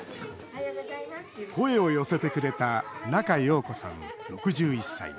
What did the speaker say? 声を寄せてくれた仲葉子さん、６１歳。